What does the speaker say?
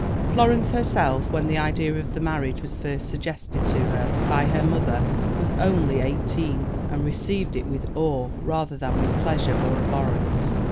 Florence herself, when the idea of the marriage was first suggested to her by her mother, was only eighteen, and received it with awe rather than with pleasure or abhorrence.